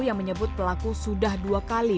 yang menyebut pelaku sudah dua kali